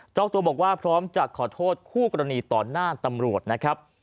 เจ้าตัวบอกว่าพร้อมจะขอโทษคู่กรณีต่อหน้าตำรวจนะครับ